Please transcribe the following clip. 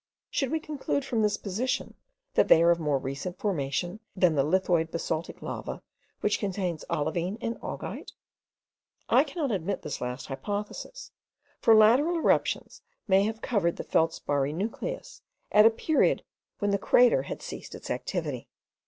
Should we conclude from this position that they are of more recent formation than the lithoid basaltic lava, which contains olivine and augite? I cannot admit this last hypothesis; for lateral eruptions may have covered the feldsparry nucleus, at a period when the crater had ceased its activity.